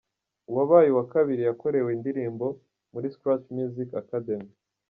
Uwabaye uwa kabiri yakorewe indirimbo muri Scratch Music Academy.